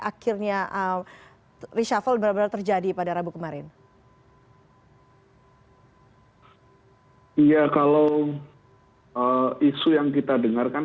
akhirnya ah reshuffle berapa terjadi pada rabu kemarin oh iya kalau isu yang kita dengarkan